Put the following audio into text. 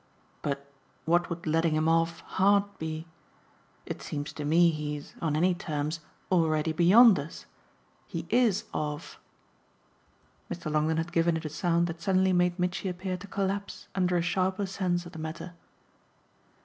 "But what would letting him off hard be? It seems to me he's on any terms already beyond us. He IS off." Mr. Longdon had given it a sound that suddenly made Mitchy appear to collapse under a sharper sense of the matter.